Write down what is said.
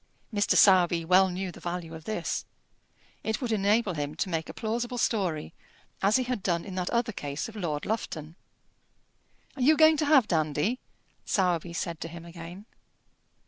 Mr. Sowerby well knew the value of this. It would enable him to make a plausible story, as he had done in that other case of Lord Lufton. "Are you going to have Dandy?" Sowerby said to him again.